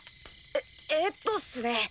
えええっとっすね